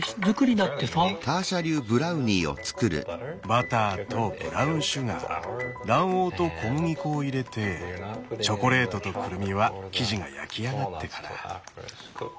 バターとブラウンシュガー卵黄と小麦粉を入れてチョコレートとくるみは生地が焼き上がってから。